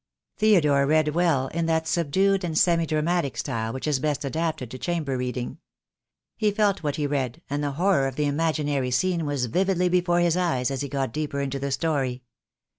Theodore read well, in that subdued and semi dramatic style which is best adapted to chamber reading. He felt what he read, and the horror of the imaginary scene was vividly before his eyes as he got deeper into the story.